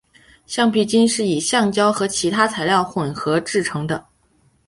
橡皮筋是以橡胶和其他材料混合制成的。